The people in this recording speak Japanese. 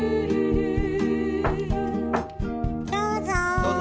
・どうぞ。